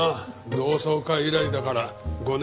同窓会以来だから５年ぶりか。